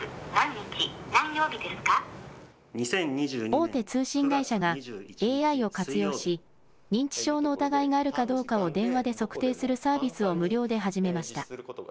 大手通信会社がＡＩを活用し、認知症の疑いがあるかどうかを電話で測定するサービスを無料で始めました。